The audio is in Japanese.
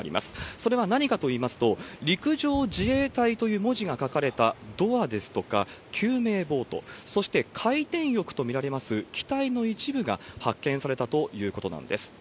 それは何かといいますと、陸上自衛隊という文字が書かれたドアですとか、救命ボート、そして回転翼と見られます機体の一部が発見されたということなんです。